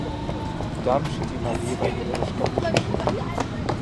Daarom ziet u mij hier bij de eurosceptici zitten.